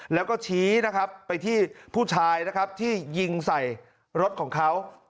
และชี้ไปที่ผู้ชายที่ยิงใส่รถของเขา